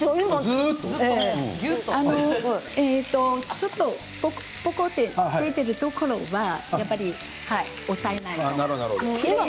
ちょっとぽこっと出ているところはやっぱり押さえないと。